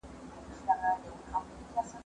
زه پرون د کتابتون کتابونه لوستل کوم؟!